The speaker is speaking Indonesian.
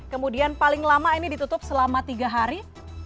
kemudian paling lama ini ditutup selama tiga hari